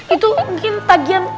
itu mungkin tagian